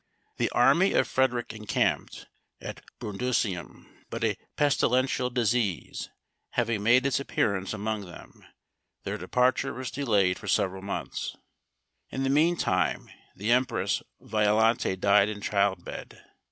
The army of Frederic encamped at Brundusium; but a pestilential disease having made its appearance among them, their departure was delayed for several months. In the mean time the Empress Violante died in childbed.